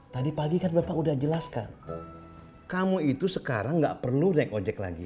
tadi pagi kan berapa udah jelaskan kamu itu sekarang nggak perlu rekojek lagi